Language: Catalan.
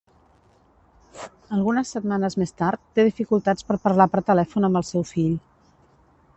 Algunes setmanes més tard, té dificultats per parlar per telèfon amb el seu fill.